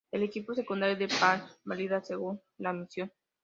El equipo secundario del Spartan variaba según la misión.